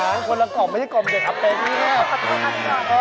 แต่คนละกล่อมมันจะจัดทับเพลงนี้หาคิมนี่